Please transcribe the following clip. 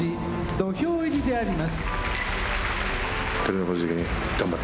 土俵入りであります。